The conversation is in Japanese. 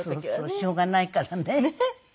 しょうがないからね。